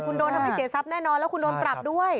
คุณโดนทำให้เสียทรัพย์แน่นอนแล้วคุณโดนปรับด้วย